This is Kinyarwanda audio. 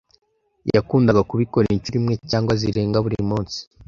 yakundaga kubikora inshuro imwe cyangwa zirenga buri munsi